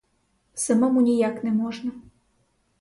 Самому ніяк не можна.